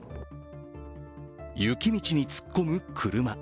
雪道に突っ込む車。